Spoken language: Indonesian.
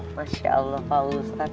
masya allah pak ustadz